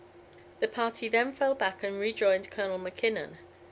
The party then fell back and rejoined Colonel Mackinnon.